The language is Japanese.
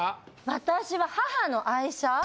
私は母の愛車。